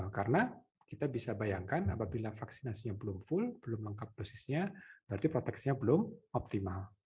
karena kita bisa bayangkan apabila vaksinasi belum full belum lengkap dosisnya berarti proteksinya belum optimal